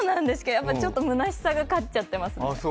やっぱりちょっと虚しさが勝っちゃってますね。